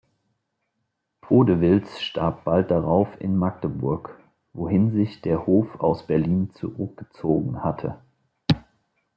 Podewils starb bald darauf in Magdeburg, wohin sich der Hof aus Berlin zurückgezogen hatte.